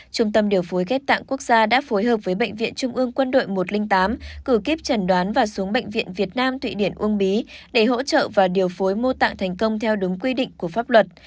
trung tâm điều phối ghép tạng quốc gia đã phối hợp với bệnh viện trung ương quân đội một trăm linh tám cử kiếp chẩn đoán và xuống bệnh viện việt nam thụy điển uông bí để hỗ trợ và điều phối mô tạng thành công theo đúng quy định của pháp luật